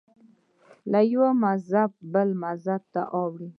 له یوه مذهبه بل ته واوړي